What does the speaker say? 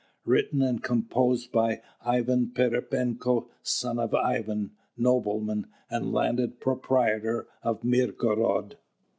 "Written and composed by Ivan Pererepenko, son of Ivan, nobleman, and landed proprietor of Mirgorod."